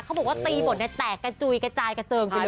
เขาบอกว่าตีฟลดนั้นแตกกระจูยกระจายกระเจิงพี่เลย